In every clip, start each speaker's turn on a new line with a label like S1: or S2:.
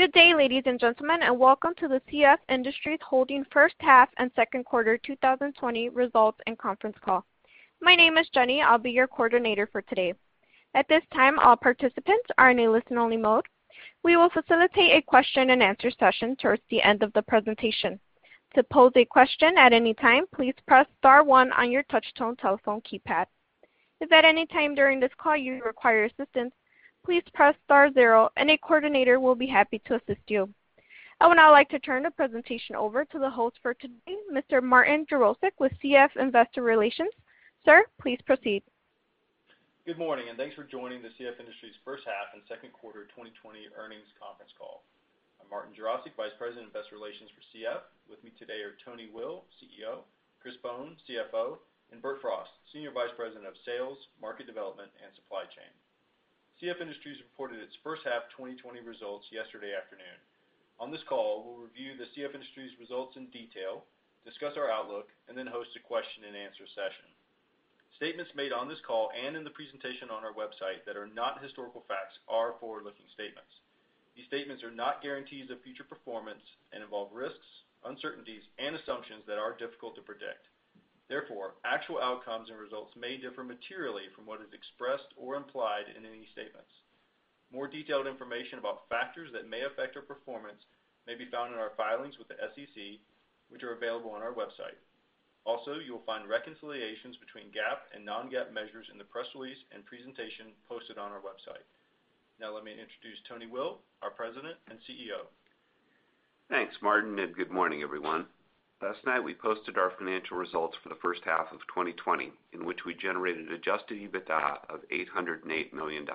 S1: Good day, ladies and gentlemen, and welcome to the CF Industries Holdings first half and second quarter 2020 results and conference call. My name is Jenny. I'll be your coordinator for today. At this time all participants are in listen-only mode. We will facilitate a question and answer session towards the end of the presentation. To pose a question at any time, please press star one on your touchtone telephone keypad. If at any time during this call you require assistance, please press star 0 and a coordinator will be happy to assist you. I would now like to turn the presentation over to the host for today, Mr. Martin Jarosick with CF Investor Relations. Sir, please proceed.
S2: Good morning, and thanks for joining the CF Industries first half and second quarter 2020 earnings conference call. I'm Martin Jarosick, vice president of investor relations for CF. With me today are Tony Will, CEO, Chris Bohn, CFO, and Bert Frost, senior vice president of sales, market development, and supply chain. CF Industries reported its first half 2020 results yesterday afternoon. On this call, we'll review the CF Industries results in detail, discuss our outlook, and then host a question-and-answer session. Statements made on this call and in the presentation on our website that are not historical facts are forward-looking statements. These statements are not guarantees of future performance and involve risks, uncertainties, and assumptions that are difficult to predict. Therefore, actual outcomes and results may differ materially from what is expressed or implied in any statements. More detailed information about factors that may affect our performance may be found in our filings with the SEC, which are available on our website. Also, you will find reconciliations between GAAP and non-GAAP measures in the press release and presentation posted on our website. Now let me introduce Tony Will, our President and CEO.
S3: Thanks, Martin. Good morning, everyone. Last night, we posted our financial results for the first half of 2020, in which we generated adjusted EBITDA of $808 million.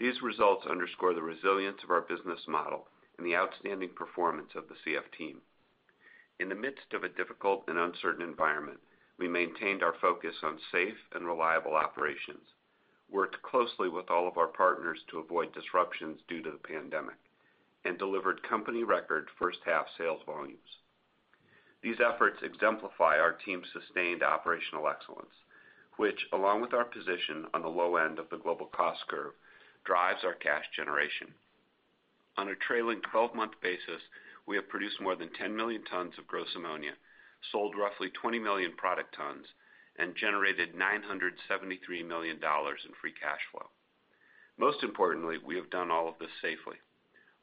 S3: These results underscore the resilience of our business model and the outstanding performance of the CF team. In the midst of a difficult and uncertain environment, we maintained our focus on safe and reliable operations, worked closely with all of our partners to avoid disruptions due to the pandemic, and delivered company record first-half sales volumes. These efforts exemplify our team's sustained operational excellence, which, along with our position on the low end of the global cost curve, drives our cash generation. On a trailing 12-month basis, we have produced more than 10 million tons of gross ammonia, sold roughly 20 million product tons, and generated $973 million in free cash flow. Most importantly, we have done all of this safely.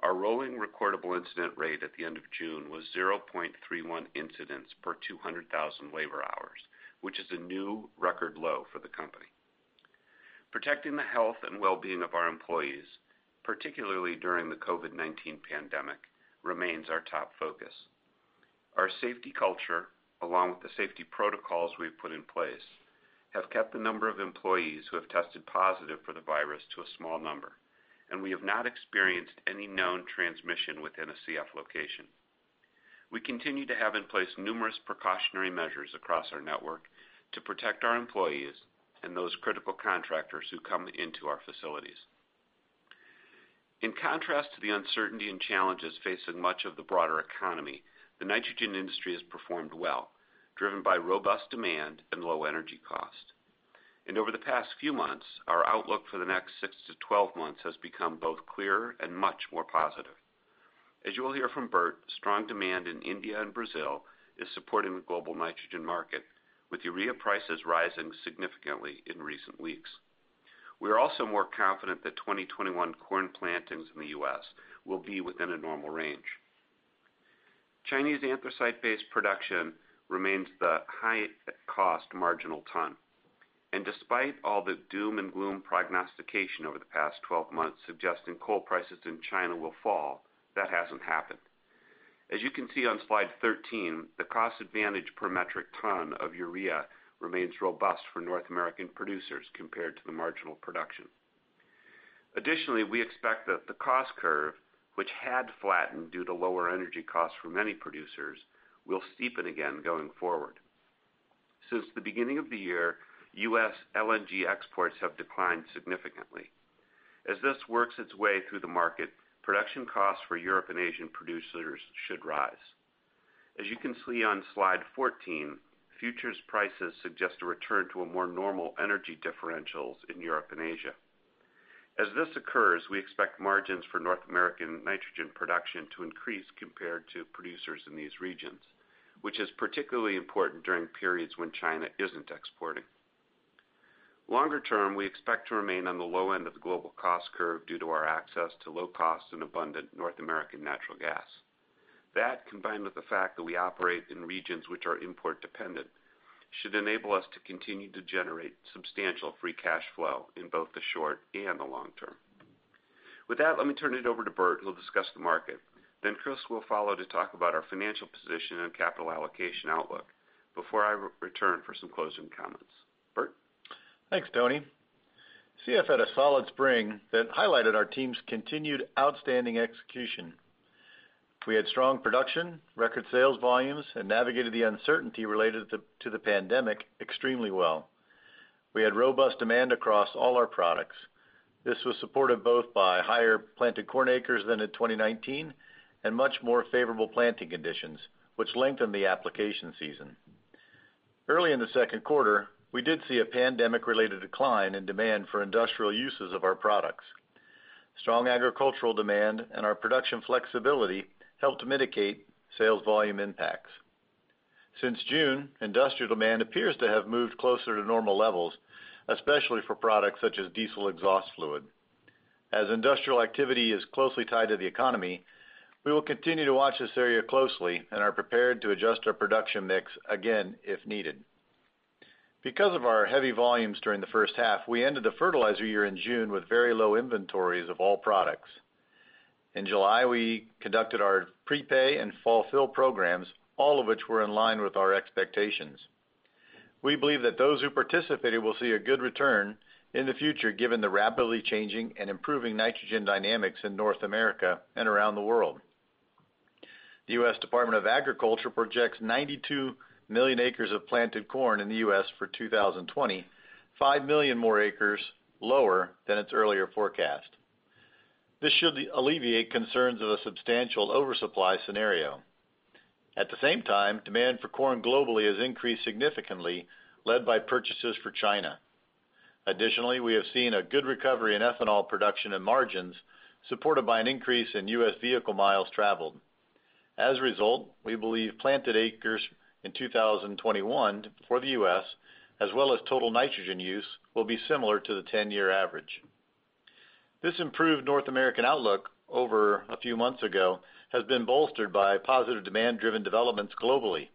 S3: Our rolling recordable incident rate at the end of June was 0.31 incidents per 200,000 labor hours, which is a new record low for the company. Protecting the health and wellbeing of our employees, particularly during the COVID-19 pandemic, remains our top focus. Our safety culture, along with the safety protocols we've put in place, have kept the number of employees who have tested positive for the virus to a small number, and we have not experienced any known transmission within a CF location. We continue to have in place numerous precautionary measures across our network to protect our employees and those critical contractors who come into our facilities. In contrast to the uncertainty and challenges facing much of the broader economy, the nitrogen industry has performed well, driven by robust demand and low energy cost. Over the past few months, our outlook for the next six to 12 months has become both clearer and much more positive. As you will hear from Bert, strong demand in India and Brazil is supporting the global nitrogen market, with urea prices rising significantly in recent weeks. We are also more confident that 2021 corn plantings in the U.S. will be within a normal range. Chinese anthracite-based production remains the high cost marginal ton. Despite all the doom and gloom prognostication over the past 12 months suggesting coal prices in China will fall, that hasn't happened. As you can see on slide 13, the cost advantage per metric ton of urea remains robust for North American producers compared to the marginal production. Additionally, we expect that the cost curve, which had flattened due to lower energy costs for many producers, will steepen again going forward. Since the beginning of the year, U.S. LNG exports have declined significantly. As this works its way through the market, production costs for Europe and Asian producers should rise. As you can see on slide 14, futures prices suggest a return to a more normal energy differentials in Europe and Asia. As this occurs, we expect margins for North American nitrogen production to increase compared to producers in these regions, which is particularly important during periods when China isn't exporting. Longer term, we expect to remain on the low end of the global cost curve due to our access to low cost and abundant North American natural gas. That, combined with the fact that we operate in regions which are import dependent, should enable us to continue to generate substantial free cash flow in both the short and the long term. With that, let me turn it over to Bert, who'll discuss the market. Chris will follow to talk about our financial position and capital allocation outlook before I return for some closing comments. Bert?
S4: Thanks, Tony. CF had a solid spring that highlighted our team's continued outstanding execution. We had strong production, record sales volumes, and navigated the uncertainty related to the pandemic extremely well. We had robust demand across all our products. This was supported both by higher planted corn acres than in 2019 and much more favorable planting conditions, which lengthened the application season. Early in the 2Q, we did see a pandemic-related decline in demand for industrial uses of our products. Strong agricultural demand and our production flexibility helped mitigate sales volume impacts. Since June, industrial demand appears to have moved closer to normal levels, especially for products such as diesel exhaust fluid. As industrial activity is closely tied to the economy, we will continue to watch this area closely and are prepared to adjust our production mix again if needed. Because of our heavy volumes during the 1H, we ended the fertilizer year in June with very low inventories of all products. In July, we conducted our prepay and fulfill programs, all of which were in line with our expectations. We believe that those who participated will see a good return in the future given the rapidly changing and improving nitrogen dynamics in North America and around the world. The U.S. Department of Agriculture projects 92 million acres of planted corn in the U.S. for 2020, five million more acres lower than its earlier forecast. This should alleviate concerns of a substantial oversupply scenario. At the same time, demand for corn globally has increased significantly led by purchases for China. Additionally, we have seen a good recovery in ethanol production and margins supported by an increase in U.S. vehicle miles traveled. As a result, we believe planted acres in 2021 for the U.S. as well as total nitrogen use will be similar to the 10-year average. This improved North American outlook over a few months ago has been bolstered by positive demand-driven developments globally.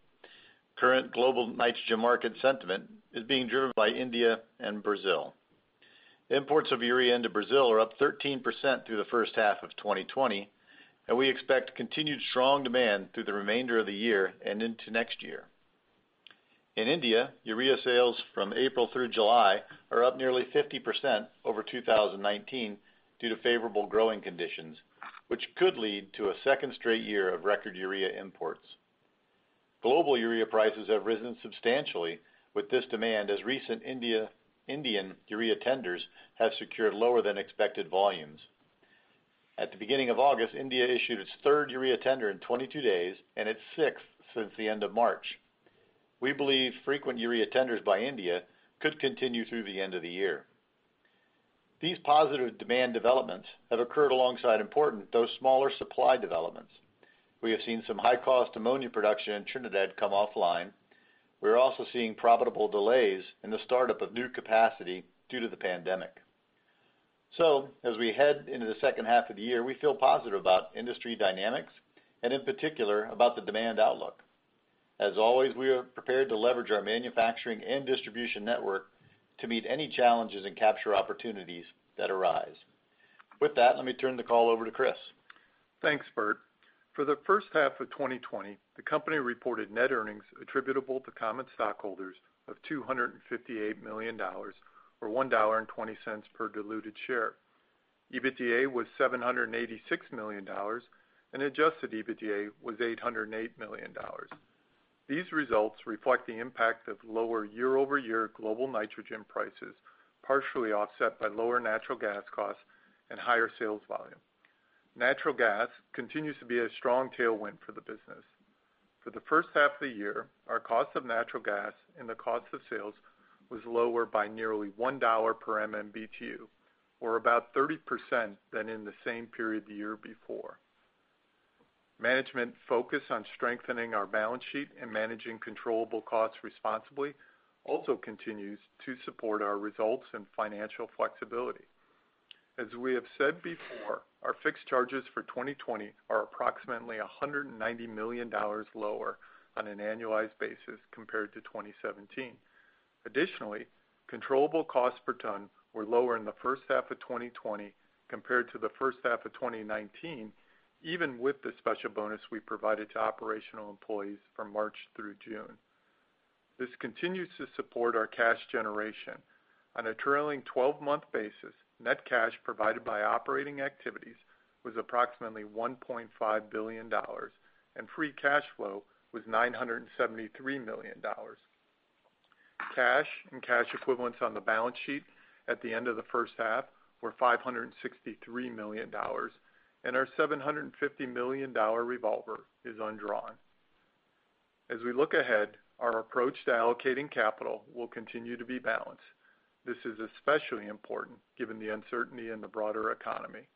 S4: Current global nitrogen market sentiment is being driven by India and Brazil. Imports of urea into Brazil are up 13% through the first half of 2020, and we expect continued strong demand through the remainder of the year and into next year. In India, urea sales from April through July are up nearly 50% over 2019 due to favorable growing conditions, which could lead to a second straight year of record urea imports. Global urea prices have risen substantially with this demand as recent Indian urea tenders have secured lower than expected volumes. At the beginning of August, India issued its third urea tender in 22 days and its sixth since the end of March. We believe frequent urea tenders by India could continue through the end of the year. These positive demand developments have occurred alongside important, though smaller supply developments. We have seen some high-cost ammonia production in Trinidad come offline. We're also seeing profitable delays in the startup of new capacity due to the pandemic. As we head into the second half of the year, we feel positive about industry dynamics and in particular about the demand outlook. As always, we are prepared to leverage our manufacturing and distribution network to meet any challenges and capture opportunities that arise. With that, let me turn the call over to Chris.
S5: Thanks, Bert. For the first half of 2020, the company reported net earnings attributable to common stockholders of $258 million or $1.20 per diluted share. EBITDA was $786 million and adjusted EBITDA was $808 million. These results reflect the impact of lower year-over-year global nitrogen prices, partially offset by lower natural gas costs and higher sales volume. Natural gas continues to be a strong tailwind for the business. For the first half of the year, our cost of natural gas and the cost of sales was lower by nearly $1 per MMBtu or about 30% than in the same period the year before. Management focus on strengthening our balance sheet and managing controllable costs responsibly also continues to support our results and financial flexibility. As we have said before, our fixed charges for 2020 are approximately $190 million lower on an annualized basis compared to 2017. Additionally, controllable costs per ton were lower in the first half of 2020 compared to the first half of 2019 even with the special bonus we provided to operational employees from March through June. This continues to support our cash generation. On a trailing 12-month basis, net cash provided by operating activities was approximately $1.5 billion and free cash flow was $973 million. Cash and cash equivalents on the balance sheet at the end of the first half were $563 million and our $750 million revolver is undrawn. As we look ahead, our approach to allocating capital will continue to be balanced. This is especially important given the uncertainty in the broader economy.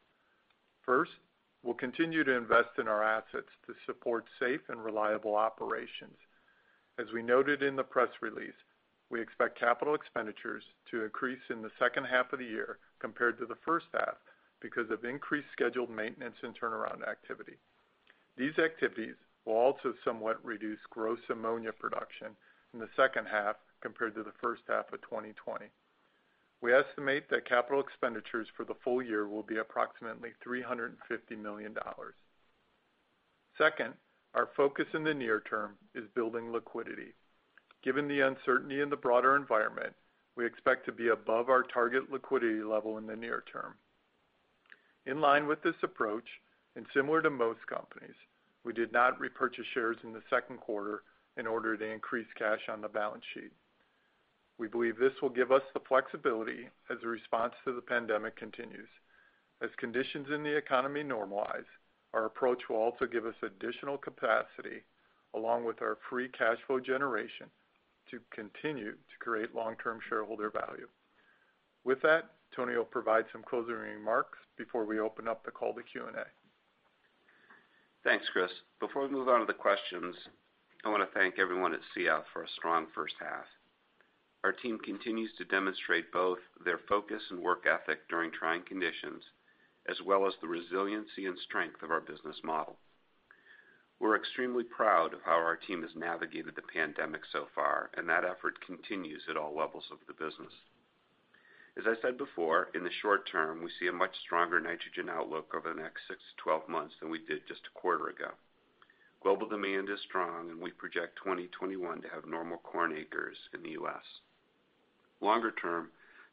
S5: First, we'll continue to invest in our assets to support safe and reliable operations. As we noted in the press release, we expect capital expenditures to increase in the second half of the year compared to the first half because of increased scheduled maintenance and turnaround activity. These activities will also somewhat reduce gross ammonia production in the second half compared to the first half of 2020. We estimate that capital expenditures for the full year will be approximately $350 million. Second, our focus in the near term is building liquidity. Given the uncertainty in the broader environment, we expect to be above our target liquidity level in the near term. In line with this approach, and similar to most companies, we did not repurchase shares in the second quarter in order to increase cash on the balance sheet. We believe this will give us the flexibility as the response to the pandemic continues. As conditions in the economy normalize, our approach will also give us additional capacity, along with our free cash flow generation, to continue to create long-term shareholder value. With that, Tony will provide some closing remarks before we open up the call to Q&A.
S3: Thanks, Chris. Before we move on to the questions, I want to thank everyone at CF for a strong first half. Our team continues to demonstrate both their focus and work ethic during trying conditions, as well as the resiliency and strength of our business model. We're extremely proud of how our team has navigated the pandemic so far, and that effort continues at all levels of the business. As I said before, in the short term, we see a much stronger nitrogen outlook over the next 6 to 12 months than we did just a quarter ago. Global demand is strong. We project 2021 to have normal corn acres in the U.S. Longer term,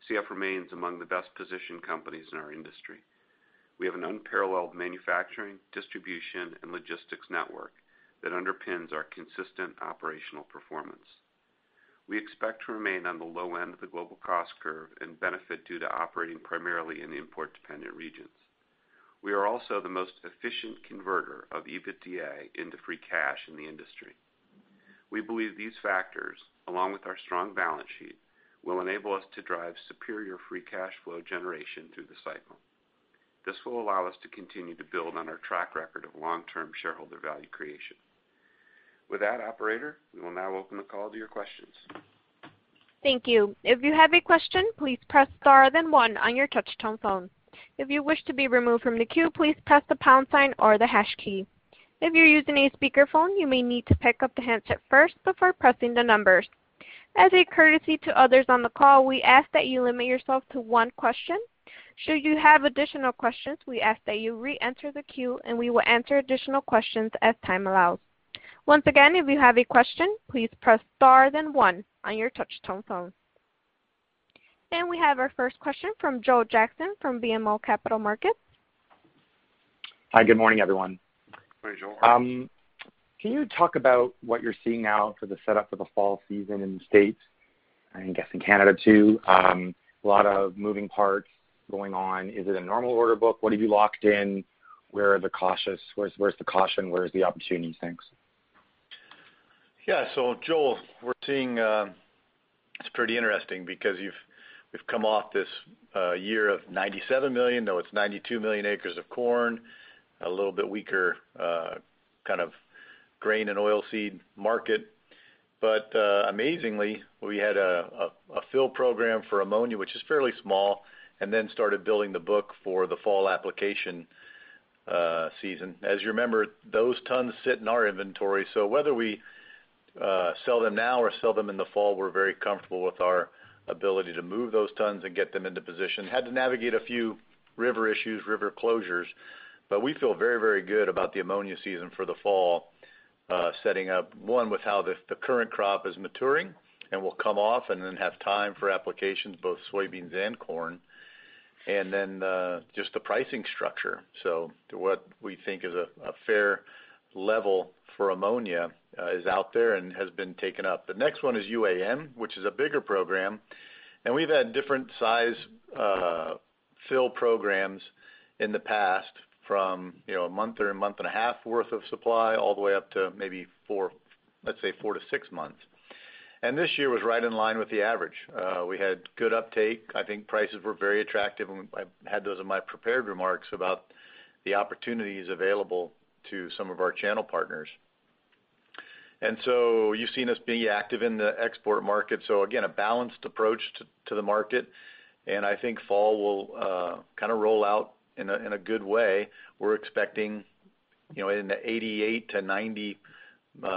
S3: CF remains among the best-positioned companies in our industry. We have an unparalleled manufacturing, distribution, and logistics network that underpins our consistent operational performance. We expect to remain on the low end of the global cost curve and benefit due to operating primarily in import-dependent regions. We are also the most efficient converter of EBITDA into free cash in the industry. We believe these factors, along with our strong balance sheet, will enable us to drive superior free cash flow generation through the cycle. This will allow us to continue to build on our track record of long-term shareholder value creation. With that operator, we will now open the call to your questions.
S1: Thank you. If you have a question, please press star one on your touch-tone phone. If you wish to be removed from the queue, please press the pound sign or the hashtag key. If you're using a speakerphone, you may need to pick up the handset first before pressing the numbers. And I encourage you to enter the call, we ask that you limit yourself to one question. Should you have additional questions, we ask that you re-enter the queue and we will answer additional questions as time allows. Once again, if you have a question, please press star one on your touch-tone phone. We have our first question from Joel Jackson from BMO Capital Markets.
S6: Hi, good morning, everyone.
S4: Morning, Joel.
S6: Can you talk about what you're seeing now for the setup for the fall season in the U.S., and I guess in Canada, too? A lot of moving parts going on. Is it a normal order book? What have you locked in? Where's the caution? Where's the opportunity, thanks?
S4: Joel, we're seeing it's pretty interesting because we've come off this year of 97 million, now it's 92 million acres of corn, a little bit weaker grain and oil seed market. Amazingly, we had a fill program for ammonia, which is fairly small, and then started building the book for the fall application season. As you remember, those tons sit in our inventory. Whether we sell them now or sell them in the fall, we're very comfortable with our ability to move those tons and get them into position. Had to navigate a few river issues, river closures, but we feel very good about the ammonia season for the fall setting up, one, with how the current crop is maturing and will come off and then have time for applications, both soybeans and corn. Just the pricing structure. To what we think is a fair level for ammonia is out there and has been taken up. The next one is UAN, which is a bigger program, and we've had different size fill programs in the past from a month or a month and a half worth of supply all the way up to maybe, let's say 4-6 months. This year was right in line with the average. We had good uptake. I think prices were very attractive, and I had those in my prepared remarks about the opportunities available to some of our channel partners. You've seen us be active in the export market. Again, a balanced approach to the market, and I think fall will roll out in a good way. We're expecting in the 88-90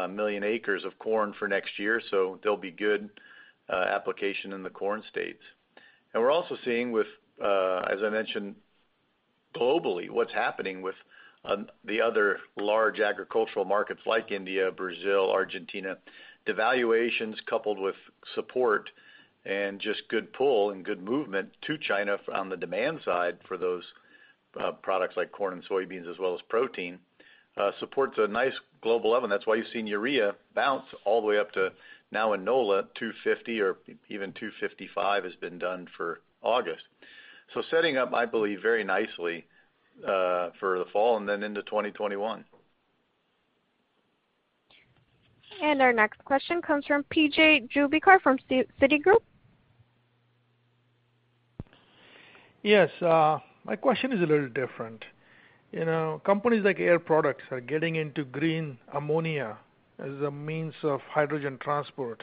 S4: million acres of corn for next year, there'll be good application in the corn states. We're also seeing with, as I mentioned, globally, what's happening with the other large agricultural markets like India, Brazil, Argentina. Devaluations coupled with support and just good pull and good movement to China on the demand side for those products like corn and soybeans as well as protein, supports a nice global upturn. That's why you've seen urea bounce all the way up to now in NOLA $250 or even $255 has been done for August. Setting up, I believe, very nicely for the fall and then into 2021.
S1: Our next question comes from PJ Juvekar from Citigroup.
S7: Yes. My question is a little different. Companies like Air Products are getting into green ammonia as a means of hydrogen transport.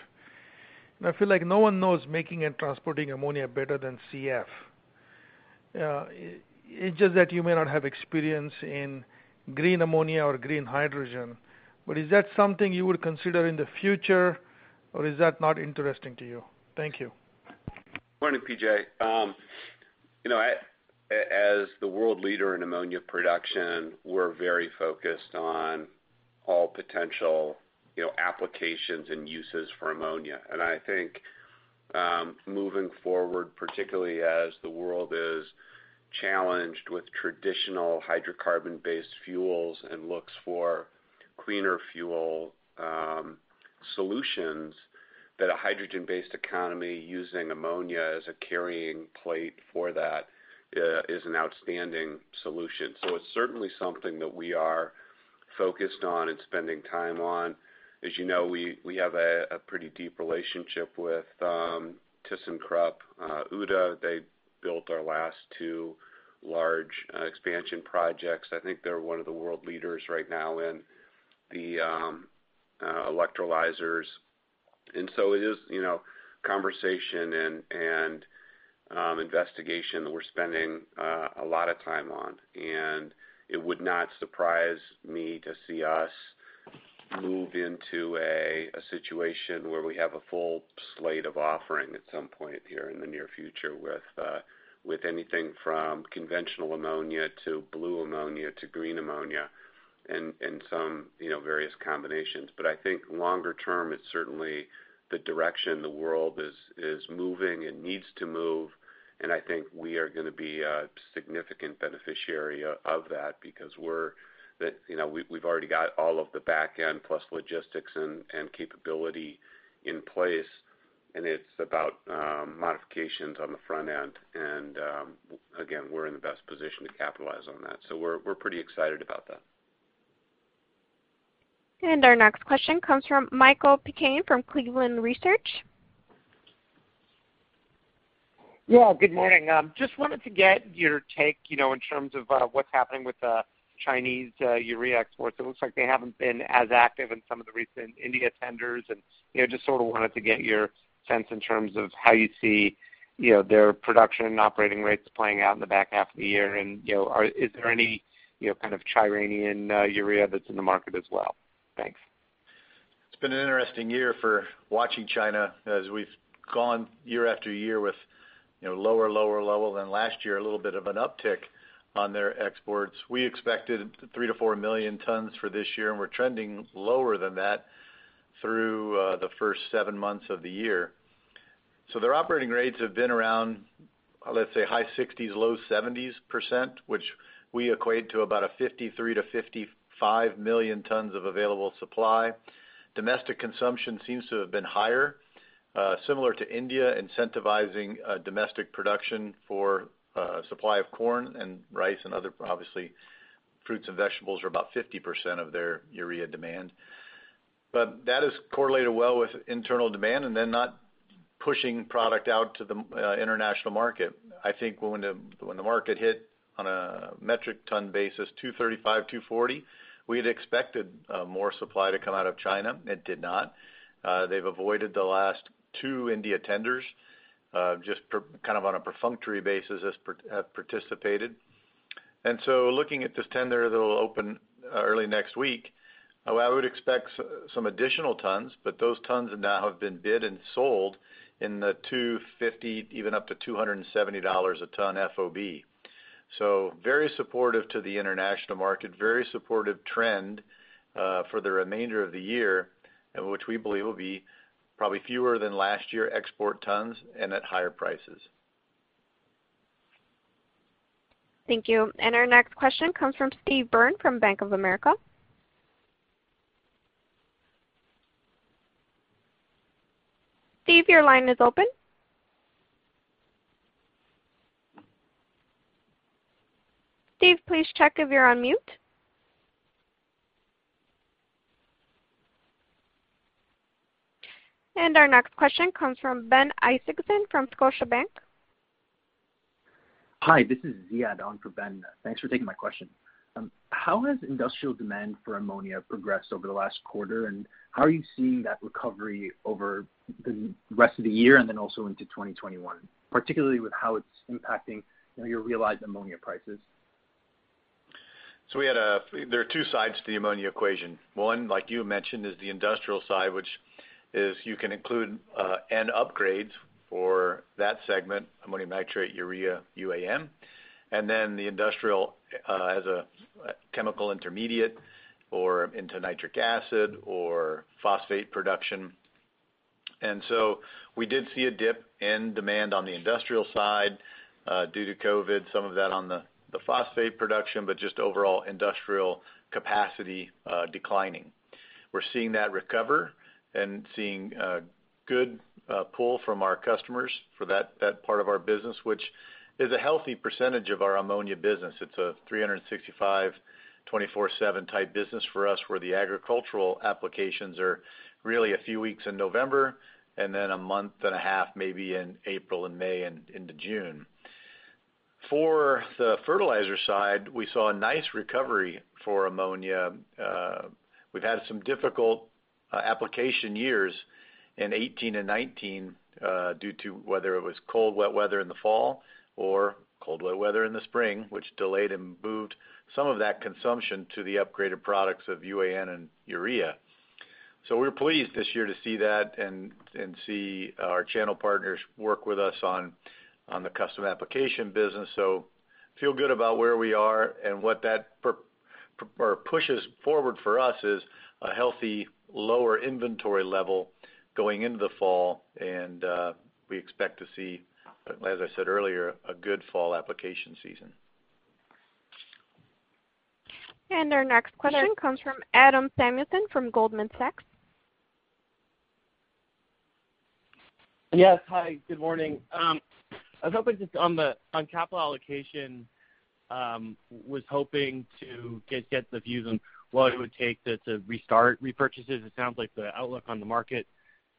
S7: I feel like no one knows making and transporting ammonia better than CF. It's just that you may not have experience in green ammonia or green hydrogen. Is that something you would consider in the future, or is that not interesting to you? Thank you.
S3: Morning, PJ. As the world leader in ammonia production, we're very focused on all potential applications and uses for ammonia. I think moving forward, particularly as the world is challenged with traditional hydrocarbon-based fuels and looks for cleaner fuel solutions that a hydrogen-based economy using ammonia as a carrying plate for that is an outstanding solution. It's certainly something that we are focused on and spending time on. As you know, we have a pretty deep relationship with thyssenkrupp Uhde, they built our last two large expansion projects. I think they're one of the world leaders right now in the electrolyzers. It is conversation and investigation that we're spending a lot of time on. It would not surprise me to see us move into a situation where we have a full slate of offering at some point here in the near future with anything from conventional ammonia to blue ammonia to green ammonia and some various combinations. I think longer term, it's certainly the direction the world is moving and needs to move, and I think we are going to be a significant beneficiary of that because we've already got all of the back end plus logistics and capability in place, and it's about modifications on the front end. Again, we're in the best position to capitalize on that. We're pretty excited about that.
S1: Our next question comes from Michael Piken from Cleveland Research.
S8: Yeah, good morning. Just wanted to get your take in terms of what's happening with the Chinese urea exports. It looks like they haven't been as active in some of the recent India tenders, and just sort of wanted to get your sense in terms of how you see their production and operating rates playing out in the back half of the year. Is there any kind of Iranian urea that's in the market as well? Thanks.
S4: It's been an interesting year for watching China as we've gone year after year with lower level than last year, a little bit of an uptick on their exports. We expected 3 million-4 million tons for this year, and we're trending lower than that through the first seven months of the year. Their operating rates have been around, let's say, high 60s, low 70s%, which we equate to about a 53 million-55 million tons of available supply. Domestic consumption seems to have been higher, similar to India incentivizing domestic production for supply of corn and rice and other, obviously, fruits and vegetables are about 50% of their urea demand. That has correlated well with internal demand and they're not pushing product out to the international market.
S3: I think when the market hit on a metric ton basis, $235, $240, we had expected more supply to come out of China. It did not. They've avoided the last two India tenders, just kind of on a perfunctory basis, have participated. Looking at this tender that'll open early next week, I would expect some additional tons, but those tons now have been bid and sold in the $250, even up to $270 a ton FOB. Very supportive to the international market, very supportive trend for the remainder of the year, which we believe will be probably fewer than last year export tons and at higher prices.
S1: Thank you. Our next question comes from Steve Byrne from Bank of America. Steve, your line is open. Steve, please check if you're on mute. Our next question comes from Ben Isaacson from Scotiabank.
S9: Hi, this is Ziad on for Ben. Thanks for taking my question. How has industrial demand for ammonia progressed over the last quarter, how are you seeing that recovery over the rest of the year then also into 2021, particularly with how it's impacting your realized ammonia prices?
S3: There are two sides to the ammonia equation. One, like you mentioned, is the industrial side, which is you can include N upgrades for that segment, ammonium nitrate, urea, UAN, and then the industrial as a chemical intermediate or into nitric acid or phosphate production. We did see a dip in demand on the industrial side due to COVID, some of that on the phosphate production, but just overall industrial capacity declining. We're seeing that recover and seeing good pull from our customers for that part of our business, which is a healthy percentage of our ammonia business. It's a 365, 24/7 type business for us, where the agricultural applications are really a few weeks in November and then a month and a half maybe in April and May and into June. For the fertilizer side, we saw a nice recovery for ammonia. We've had some difficult application years in 2018 and 2019 due to whether it was cold, wet weather in the fall or cold, wet weather in the spring, which delayed and moved some of that consumption to the upgraded products of UAN and urea. We're pleased this year to see that and see our channel partners work with us on the custom application business. Feel good about where we are and what that pushes forward for us is a healthy lower inventory level going into the fall and we expect to see, as I said earlier, a good fall application season.
S1: Our next question comes from Adam Samuelson from Goldman Sachs.
S10: Yes. Hi, good morning. I was hoping just on capital allocation, was hoping to get the views on what it would take to restart repurchases. It sounds like the outlook on the market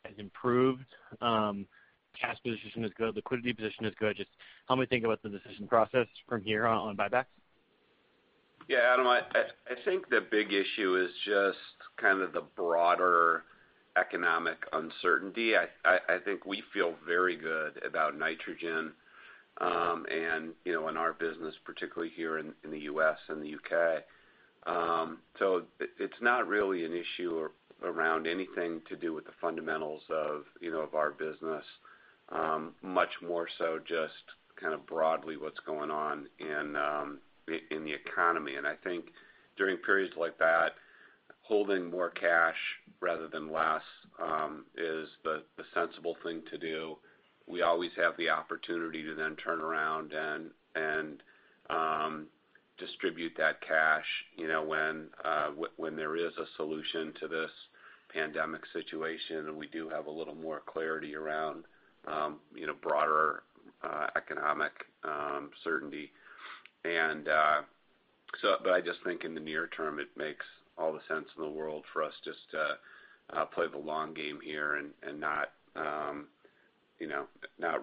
S10: has improved. Cash position is good, liquidity position is good. Just how we think about the decision process from here on buybacks?
S3: Yeah, Adam, I think the big issue is just kind of the broader economic uncertainty. I think we feel very good about nitrogen, and in our business, particularly here in the U.S. and the U.K. It's not really an issue around anything to do with the fundamentals of our business. Much more so just kind of broadly what's going on in the economy. I think during periods like that, holding more cash rather than less, is the sensible thing to do. We always have the opportunity to then turn around and distribute that cash when there is a solution to this pandemic situation, and we do have a little more clarity around broader economic certainty. I just think in the near term, it makes all the sense in the world for us just to play the long game here and not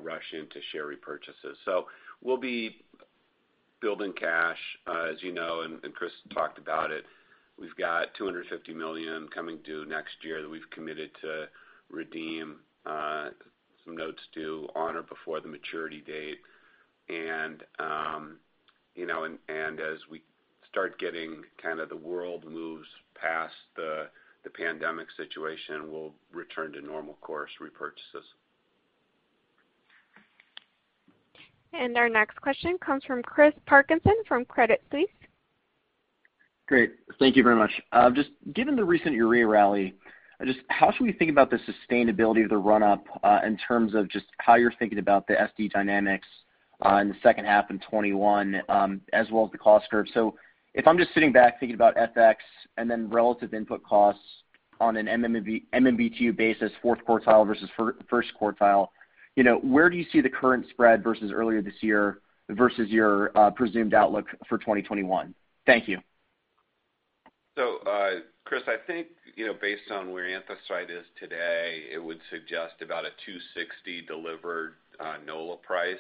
S3: rush into share repurchases. We'll be building cash, as you know, and Chris talked about it. We've got $250 million coming due next year that we've committed to redeem some notes due on or before the maturity date. As we start getting kind of the world moves past the pandemic situation, we'll return to normal course repurchases.
S1: Our next question comes from Chris Parkinson from Credit Suisse.
S11: Great. Thank you very much. Given the recent urea rally, how should we think about the sustainability of the run-up, in terms of how you're thinking about the S&D dynamics in the second half in 2021, as well as the cost curve. If I'm sitting back thinking about FX and then relative input costs on an MMBtu basis, fourth quartile versus first quartile, where do you see the current spread versus earlier this year versus your presumed outlook for 2021? Thank you.
S3: Chris, I think, based on where anthracite is today, it would suggest about a $260 delivered NOLA price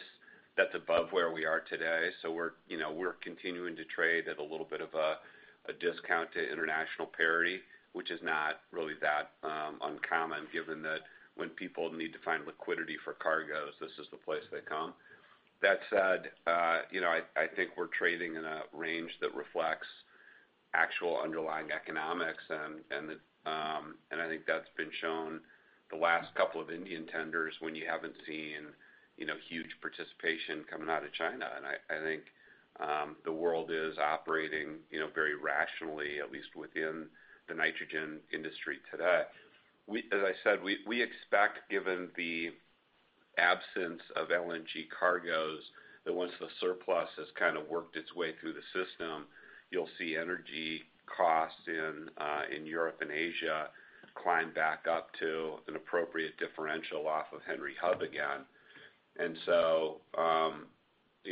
S3: that's above where we are today. We're continuing to trade at a little bit of a discount to international parity, which is not really that uncommon given that when people need to find liquidity for cargoes, this is the place they come. That said, I think we're trading in a range that reflects actual underlying economics and I think that's been shown the last couple of Indian tenders when you haven't seen huge participation coming out of China. I think the world is operating very rationally, at least within the nitrogen industry today. As I said, we expect given the absence of LNG cargoes, that once the surplus has kind of worked its way through the system, you'll see energy costs in Europe and Asia climb back up to an appropriate differential off of Henry Hub again.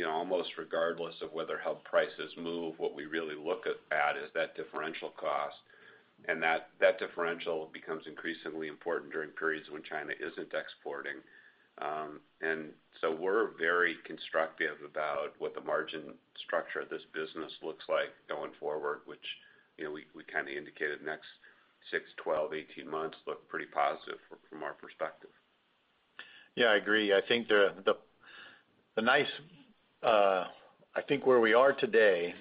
S3: Almost regardless of whether hub prices move, what we really look at is that differential cost. That differential becomes increasingly important during periods when China isn't exporting. We're very constructive about what the margin structure of this business looks like going forward, which we kind of indicated next six, 12, 18 months look pretty positive from our perspective.
S4: Yeah, I agree. I think where we are today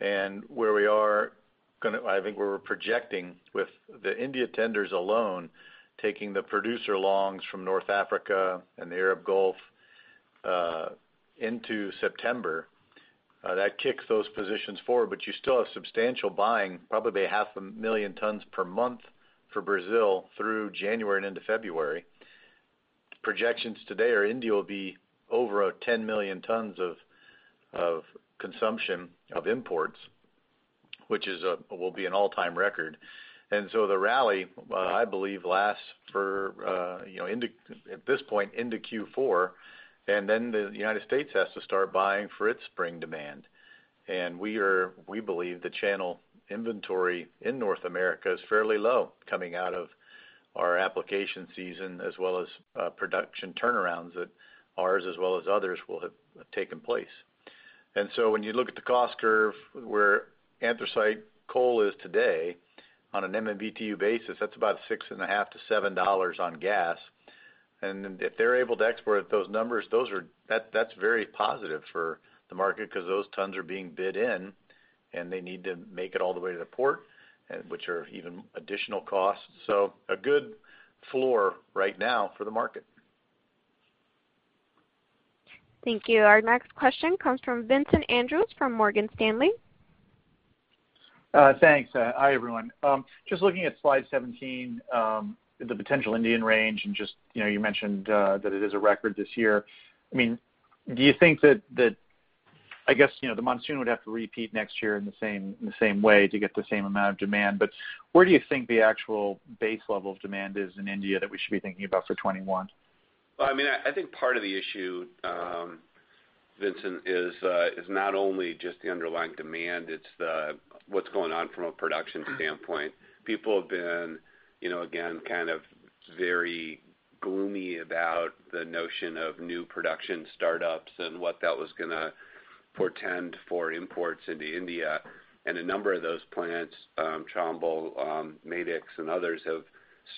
S4: and where we are going to, I think where we're projecting with the India tenders alone, taking the producer longs from North Africa and the Arabian Gulf, into September, that kicks those positions forward. You still have substantial buying, probably 500,000 tons per month for Brazil through January and into February. Projections today are India will be over 10 million tons of consumption of imports, which will be an all-time record. The rally, I believe, lasts for at this point into Q4, and then the United States has to start buying for its spring demand. We believe the channel inventory in North America is fairly low coming out of our application season as well as production turnarounds that ours as well as others will have taken place. When you look at the cost curve where anthracite coal is today on an MMBtu basis, that's about six and a half to $7 on gas. If they're able to export at those numbers, that's very positive for the market because those tons are being bid in, and they need to make it all the way to the port, which are even additional costs. A good floor right now for the market.
S1: Thank you. Our next question comes from Vincent Andrews from Morgan Stanley.
S12: Thanks. Hi, everyone. Just looking at slide 17, the potential Indian range and just, you mentioned that it is a record this year. Do you think that. I guess the monsoon would have to repeat next year in the same way to get the same amount of demand. Where do you think the actual base level of demand is in India that we should be thinking about for 2021?
S3: Well, I think part of the issue, Vincent, is not only just the underlying demand, it's the what's going on from a production standpoint. People have been, again, very gloomy about the notion of new production startups and what that was going to portend for imports into India. A number of those plants, Chambal, Matix, and others, have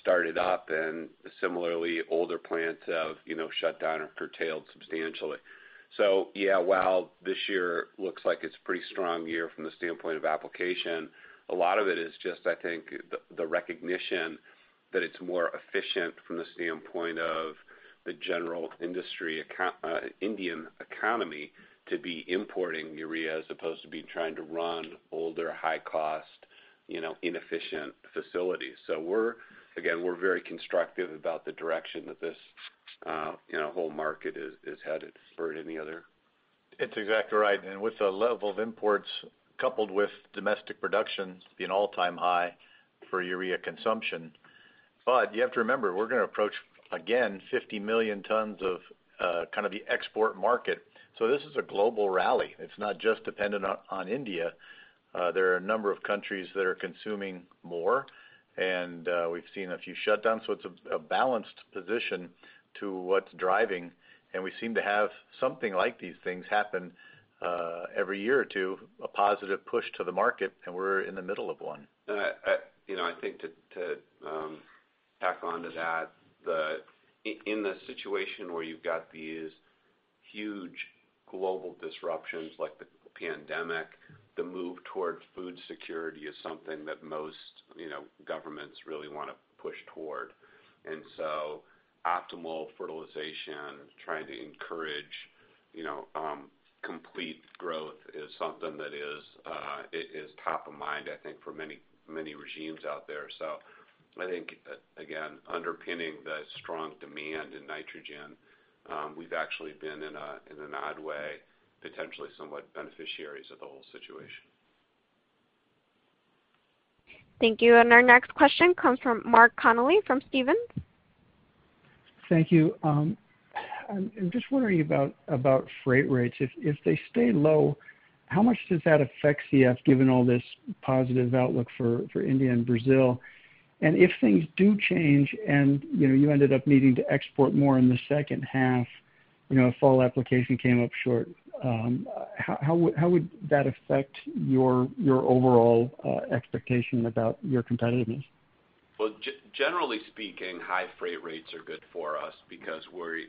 S3: started up, and similarly, older plants have shut down or curtailed substantially. Yeah, while this year looks like it's a pretty strong year from the standpoint of application, a lot of it is just, I think, the recognition that it's more efficient from the standpoint of the general Indian economy to be importing urea, as opposed to be trying to run older, high-cost, inefficient facilities. Again, we're very constructive about the direction that this whole market is headed. Bert, any other?
S4: It's exactly right. With the level of imports coupled with domestic production being all-time high for urea consumption. You have to remember, we're going to approach, again, 50 million tons of the export market. This is a global rally. It's not just dependent on India. There are a number of countries that are consuming more, and we've seen a few shutdowns, so it's a balanced position to what's driving. We seem to have something like these things happen every year or two, a positive push to the market, and we're in the middle of one.
S3: I think to tack on to that, in the situation where you've got these huge global disruptions like the pandemic, the move towards food security is something that most governments really want to push toward. Optimal fertilization, trying to encourage complete growth is something that is top of mind, I think, for many regimes out there. I think, again, underpinning the strong demand in nitrogen, we've actually been, in an odd way, potentially somewhat beneficiaries of the whole situation.
S1: Thank you. Our next question comes from Mark Connelly from Stephens.
S13: Thank you. I'm just wondering about freight rates. If they stay low, how much does that affect CF, given all this positive outlook for India and Brazil? If things do change and you ended up needing to export more in the second half, fall application came up short, how would that affect your overall expectation about your competitiveness?
S3: Well, generally speaking, high freight rates are good for us because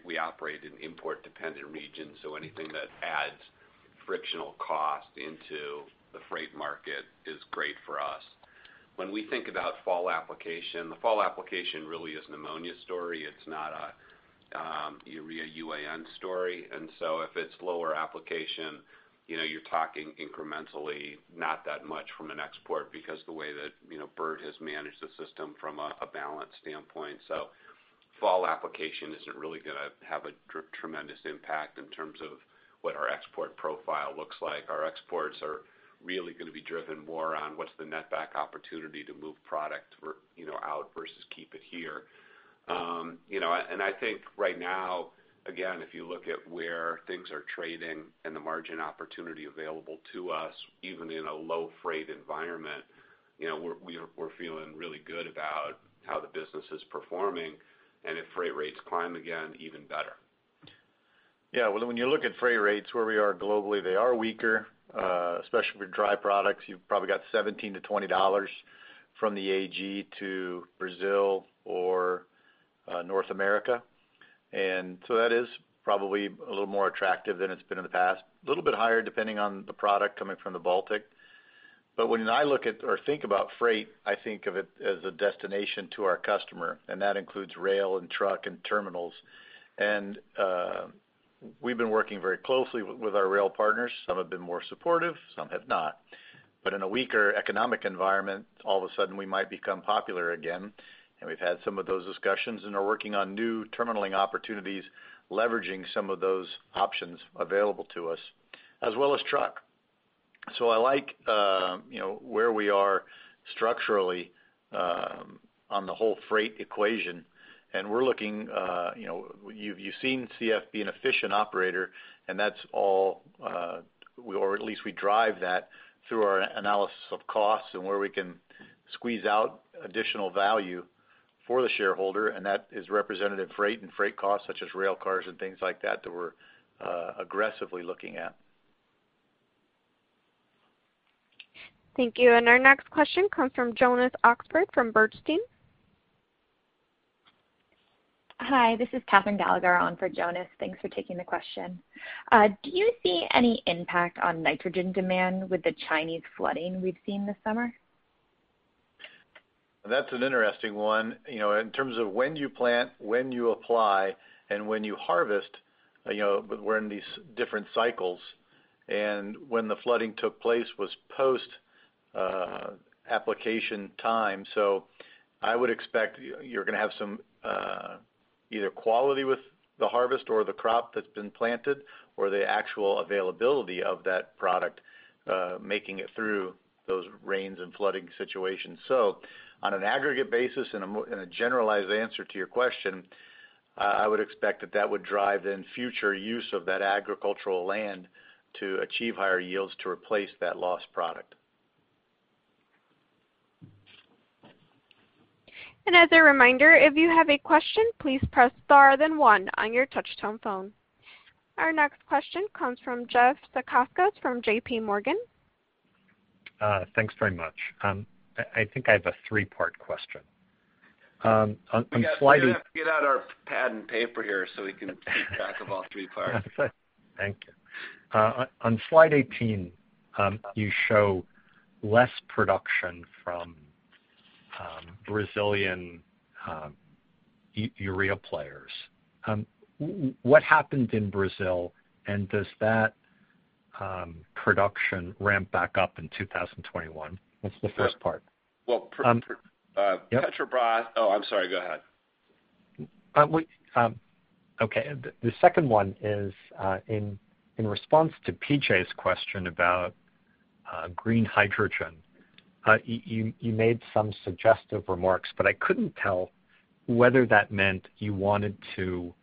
S3: we operate in import-dependent regions, so anything that adds frictional cost into the freight market is great for us. When we think about fall application, the fall application really is an ammonia story. It's not a urea UAN story. If it's lower application, you're talking incrementally, not that much from an export because the way that Bert has managed the system from a balance standpoint. Fall application isn't really going to have a tremendous impact in terms of what our export profile looks like. Our exports are really going to be driven more on what's the net back opportunity to move product out versus keep it here. I think right now, again, if you look at where things are trading and the margin opportunity available to us, even in a low freight environment, we're feeling really good about how the business is performing. If freight rates climb again, even better.
S4: Yeah. Well, when you look at freight rates, where we are globally, they are weaker, especially for dry products. You've probably got $17-$20 from the AG to Brazil or North America. That is probably a little more attractive than it's been in the past. A little bit higher, depending on the product coming from the Baltic. When I look at or think about freight, I think of it as a destination to our customer, and that includes rail and truck and terminals. We've been working very closely with our rail partners. Some have been more supportive, some have not. In a weaker economic environment, all of a sudden we might become popular again. We've had some of those discussions and are working on new terminaling opportunities, leveraging some of those options available to us, as well as truck. I like where we are structurally on the whole freight equation. You've seen CF be an efficient operator and that's all, or at least we drive that through our analysis of costs and where we can squeeze out additional value for the shareholder. That is representative freight and freight costs such as rail cars and things like that we're aggressively looking at.
S1: Thank you. Our next question comes from Jonas Oxgaard from Bernstein.
S14: Hi, this is Catherine Gallagher on for Jonas. Thanks for taking the question. Do you see any impact on nitrogen demand with the Chinese flooding we've seen this summer?
S4: That's an interesting one. In terms of when you plant, when you apply, and when you harvest, we're in these different cycles. When the flooding took place was postapplication time. I would expect you're going to have some either quality with the harvest or the crop that's been planted, or the actual availability of that product making it through those rains and flooding situations. On an aggregate basis and a generalized answer to your question, I would expect that that would drive then future use of that agricultural land to achieve higher yields to replace that lost product.
S1: As a reminder, if you have a question, please press star then one on your touch-tone phone. Our next question comes from Jeff Zekauskas from JPMorgan.
S15: Thanks very much. I think I have a three-part question.
S3: We're going to have to get out our pad and paper here so we can keep track of all three parts.
S15: Thank you. On slide 18 you show less production from Brazilian urea players. What happened in Brazil, does that production ramp back up in 2021? That's the first part.
S4: Well, Petrobras, Oh, I'm sorry. Go ahead.
S15: The second one is, in response to PJ's question about green hydrogen. You made some suggestive remarks, but I couldn't tell whether that meant you wanted to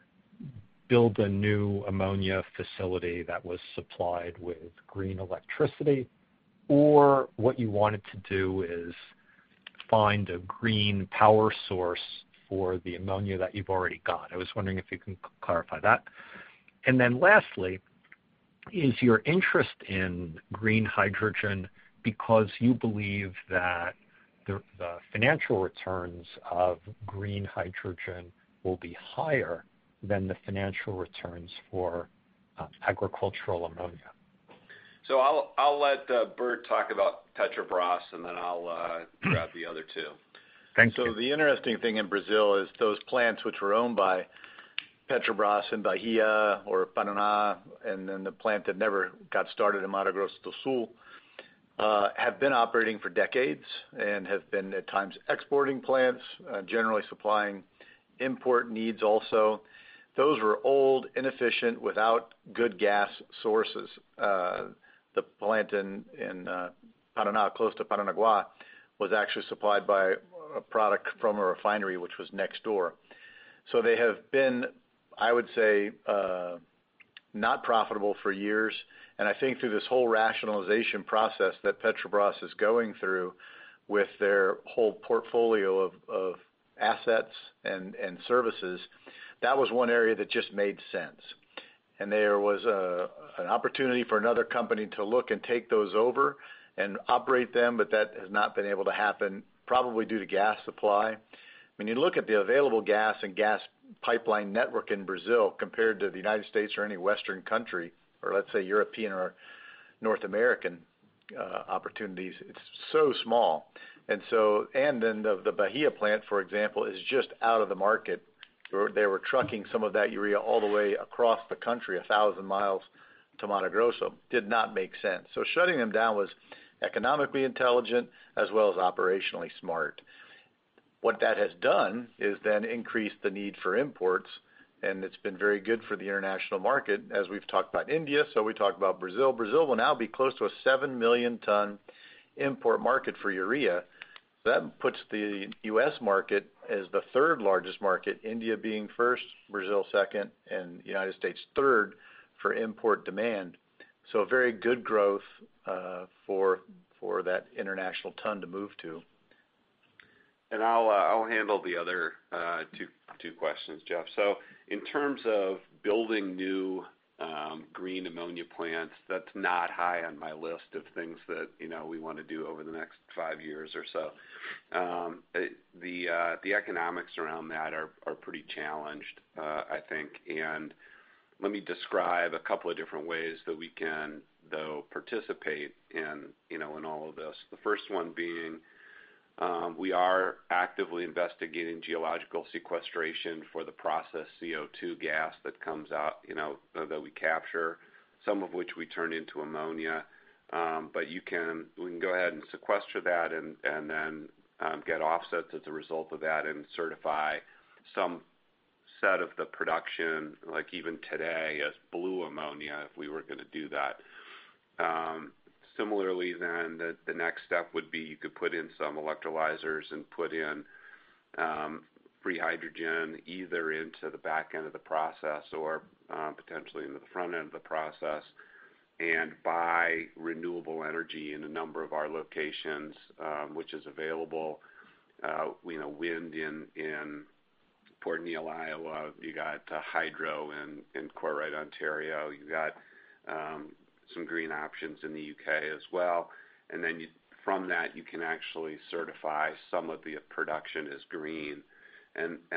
S15: build a new ammonia facility that was supplied with green electricity, or what you wanted to do is find a green power source for the ammonia that you've already got. I was wondering if you can clarify that. Lastly, is your interest in green hydrogen because you believe that the financial returns of green hydrogen will be higher than the financial returns for agricultural ammonia?
S3: I'll let Bert talk about Petrobras, and then I'll grab the other two.
S15: Thank you.
S4: The interesting thing in Brazil is those plants, which were owned by Petrobras in Bahia or Paraná, and then the plant that never got started in Mato Grosso do Sul, have been operating for decades and have been at times exporting plants, generally supplying import needs also. Those were old, inefficient, without good gas sources. The plant in Paraná, close to Paranaguá, was actually supplied by a product from a refinery which was next door. They have been, I would say, not profitable for years. I think through this whole rationalization process that Petrobras is going through with their whole portfolio of assets and services, that was one area that just made sense. There was an opportunity for another company to look and take those over and operate them, but that has not been able to happen, probably due to gas supply. When you look at the available gas and gas pipeline network in Brazil compared to the U.S. or any Western country, or let's say European or North American opportunities, it's so small. The Bahia plant, for example, is just out of the market, where they were trucking some of that urea all the way across the country, 1,000 miles to Mato Grosso. Did not make sense. Shutting them down was economically intelligent as well as operationally smart. What that has done is then increased the need for imports, and it's been very good for the international market. As we've talked about India, we talk about Brazil. Brazil will now be close to a seven million ton import market for urea. That puts the U.S. market as the third largest market, India being first, Brazil second, and the U.S. third for import demand. A very good growth for that international ton to move to.
S3: I'll handle the other two questions, Jeff. In terms of building new green ammonia plants, that's not high on my list of things that we want to do over the next five years or so. The economics around that are pretty challenged, I think. Let me describe a couple of different ways that we can, though, participate in all of this. The first one being we are actively investigating geological sequestration for the process CO2 gas that comes out, that we capture, some of which we turn into ammonia. We can go ahead and sequester that and then get offsets as a result of that and certify some set of the production, like even today, as blue ammonia, if we were going to do that. Similarly, then the next step would be you could put in some electrolyzers and put in green hydrogen, either into the back end of the process or potentially into the front end of the process, and buy renewable energy in a number of our locations, which is available. Wind in Port Neal, Iowa. You got hydro in Courtright, Ontario. You got some green options in the U.K. as well. From that, you can actually certify some of the production as green.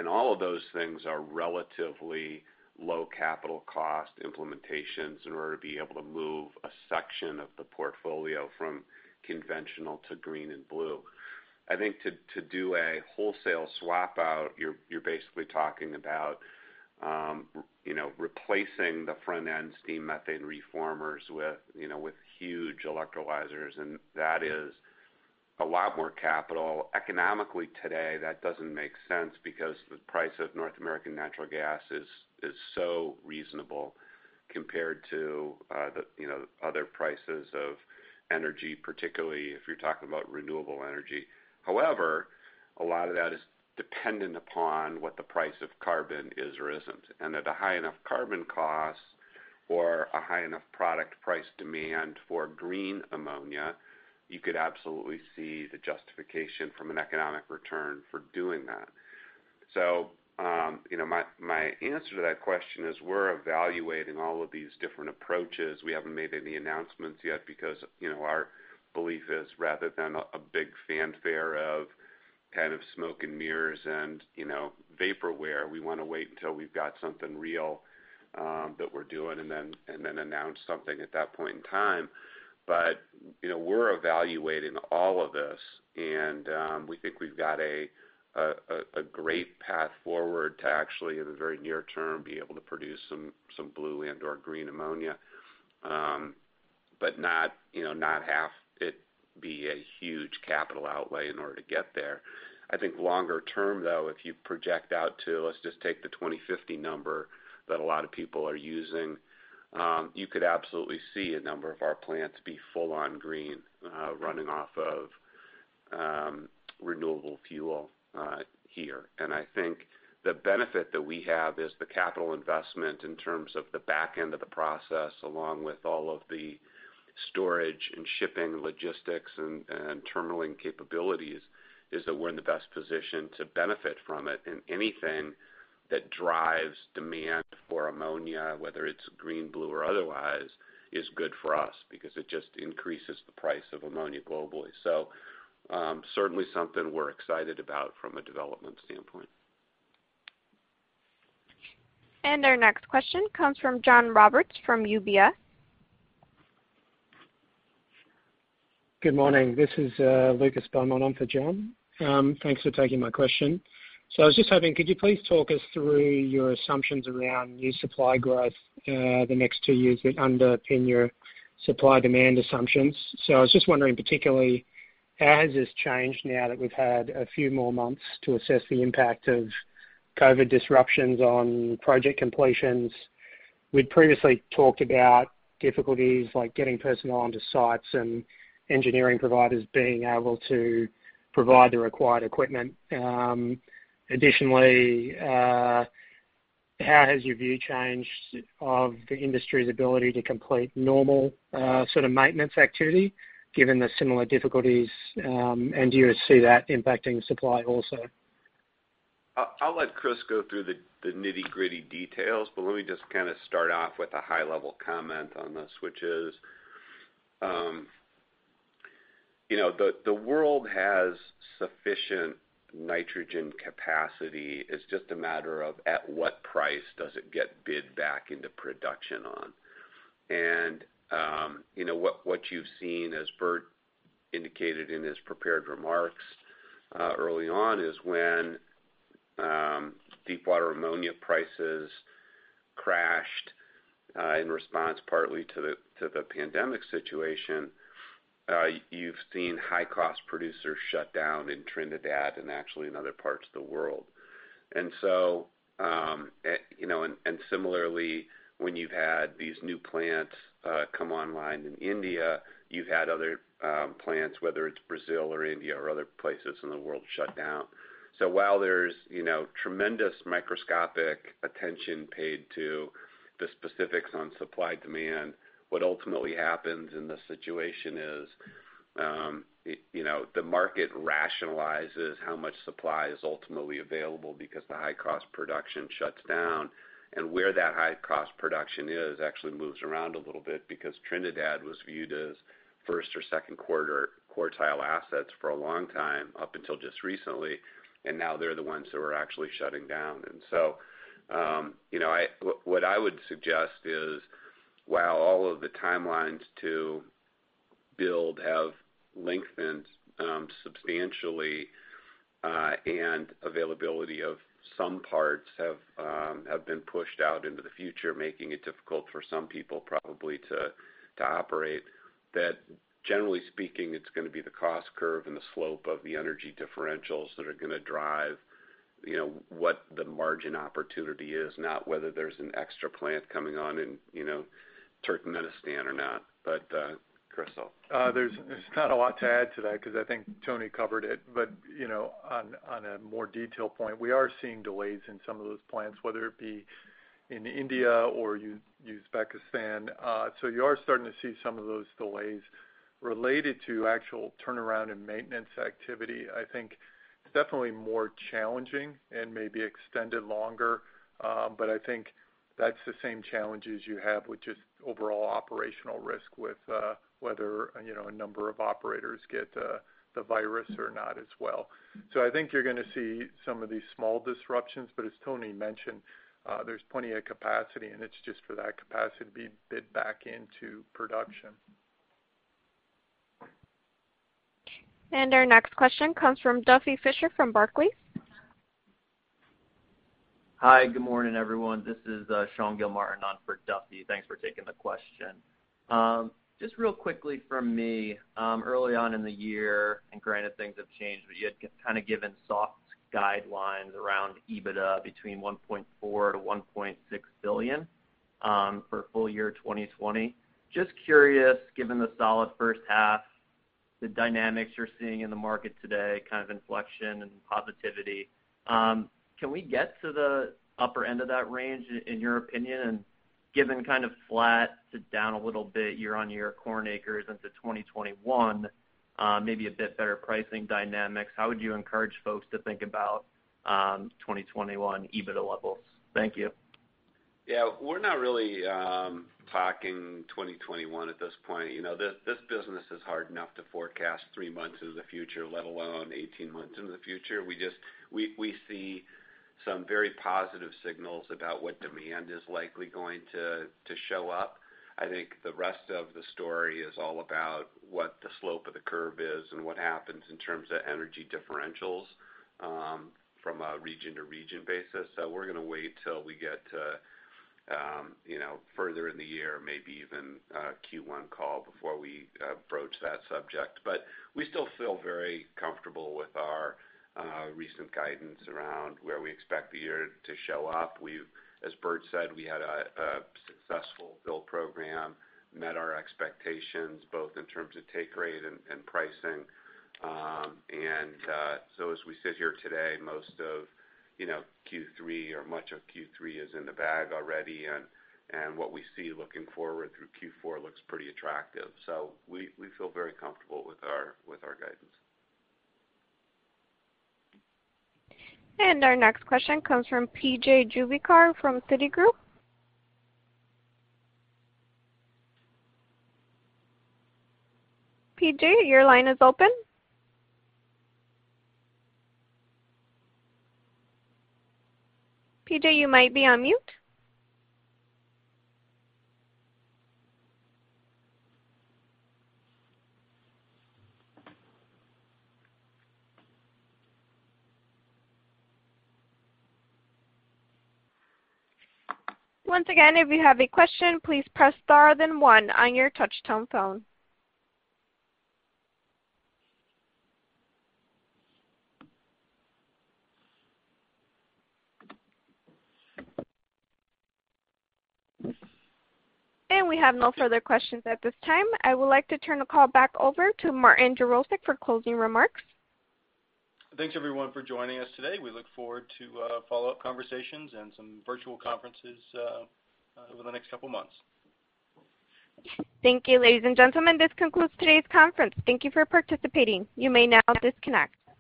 S3: All of those things are relatively low capital cost implementations in order to be able to move a section of the portfolio from conventional to green and blue. I think to do a wholesale swap out, you're basically talking about replacing the front-end steam methane reformers with huge electrolyzers, and that is a lot more capital. Economically today, that doesn't make sense because the price of North American natural gas is so reasonable compared to the other prices of energy, particularly if you're talking about renewable energy. A lot of that is dependent upon what the price of carbon is or isn't. At a high enough carbon cost or a high enough product price demand for green ammonia, you could absolutely see the justification from an economic return for doing that. My answer to that question is we're evaluating all of these different approaches. We haven't made any announcements yet because our belief is rather than a big fanfare of kind of smoke and mirrors and vaporware, we want to wait until we've got something real that we're doing and then announce something at that point in time. We're evaluating all of this and we think we've got a great path forward to actually, in the very near term, be able to produce some blue and/or green ammonia. Not have it be a huge capital outlay in order to get there. I think longer term, though, if you project out to, let's just take the 2050 number that a lot of people are using, you could absolutely see a number of our plants be full on green, running off of renewable fuel here. I think the benefit that we have is the capital investment in terms of the back end of the process, along with all of the storage and shipping logistics and terminaling capabilities, is that we're in the best position to benefit from it. Anything that drives demand for ammonia, whether it's green, blue or otherwise, is good for us because it just increases the price of ammonia globally. Certainly something we're excited about from a development standpoint.
S1: Our next question comes from John Roberts from UBS.
S16: Good morning. This is Lucas Beaumont on for John. Thanks for taking my question. I was just hoping, could you please talk us through your assumptions around new supply growth the next two years that underpin your supply demand assumptions? I was just wondering particularly how has this changed now that we've had a few more months to assess the impact of COVID-19 disruptions on project completions? We'd previously talked about difficulties like getting personnel onto sites and engineering providers being able to provide the required equipment. Additionally, how has your view changed of the industry's ability to complete normal sort of maintenance activity given the similar difficulties? Do you see that impacting supply also?
S3: I'll let Chris go through the nitty-gritty details, but let me just kind of start off with a high level comment on this, which is the world has sufficient nitrogen capacity. It's just a matter of at what price does it get bid back into production on. What you've seen, as Bert indicated in his prepared remarks early on, is when deepwater ammonia prices crashed in response partly to the pandemic situation. You've seen high-cost producers shut down in Trinidad and actually in other parts of the world. Similarly, when you've had these new plants come online in India, you've had other plants, whether it's Brazil or India or other places in the world, shut down. While there's tremendous microscopic attention paid to the specifics on supply demand, what ultimately happens in this situation is the market rationalizes how much supply is ultimately available because the high-cost production shuts down. Where that high-cost production is actually moves around a little bit because Trinidad was viewed as first or second quarter quartile assets for a long time up until just recently. Now they're the ones who are actually shutting down. What I would suggest is, while all of the timelines to build have lengthened substantially and availability of some parts have been pushed out into the future, making it difficult for some people probably to operate, that generally speaking, it's going to be the cost curve and the slope of the energy differentials that are going to drive what the margin opportunity is, not whether there's an extra plant coming on in Turkmenistan or not. Chris.
S5: There's not a lot to add to that because I think Tony covered it. On a more detailed point, we are seeing delays in some of those plants, whether it be in India or Uzbekistan. You are starting to see some of those delays related to actual turnaround and maintenance activity. I think it's definitely more challenging and maybe extended longer. I think that's the same challenges you have with just overall operational risk with whether a number of operators get the virus or not as well. I think you're going to see some of these small disruptions, but as Tony mentioned, there's plenty of capacity, and it's just for that capacity to be bid back into production.
S1: Our next question comes from Duffy Fischer from Barclays.
S17: Hi, good morning, everyone. This is Sean Gilmartin on for Duffy. Thanks for taking the question. Just real quickly from me, early on in the year, and granted things have changed, but you had kind of given soft guidelines around EBITDA between $1.4 billion-$1.6 billion for full year 2020. Just curious, given the solid first half, the dynamics you're seeing in the market today, kind of inflection and positivity, can we get to the upper end of that range, in your opinion? Given kind of flat to down a little bit year-on-year corn acres into 2021, maybe a bit better pricing dynamics, how would you encourage folks to think about 2021 EBITDA levels? Thank you.
S3: Yeah, we're not really talking 2021 at this point. This business is hard enough to forecast three months into the future, let alone 18 months into the future. We see some very positive signals about what demand is likely going to show up. I think the rest of the story is all about what the slope of the curve is and what happens in terms of energy differentials from a region-to-region basis. We're going to wait till we get further in the year, maybe even Q1 call before we broach that subject. We still feel very comfortable with our recent guidance around where we expect the year to show up. As Bert said, we had a successful build program, met our expectations both in terms of take rate and pricing. As we sit here today, most of Q3 or much of Q3 is in the bag already, and what we see looking forward through Q4 looks pretty attractive. We feel very comfortable with our guidance.
S1: Our next question comes from PJ Juvekar from Citigroup. PJ, your line is open. PJ, you might be on mute. We have no further questions at this time. I would like to turn the call back over to Martin Jarosick for closing remarks.
S2: Thanks, everyone, for joining us today. We look forward to follow-up conversations and some virtual conferences over the next couple of months.
S1: Thank you, ladies and gentlemen. This concludes today's conference. Thank you for participating. You may now disconnect.